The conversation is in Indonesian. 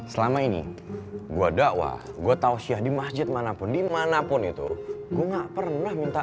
selama ini gue dakwah gue tau syah di masjid manapun dimanapun itu gue gak pernah